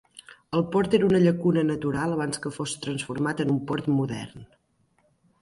El port era una llacuna natural abans que fos transformat en un port modern.